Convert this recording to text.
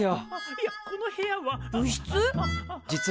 いやこの部屋は。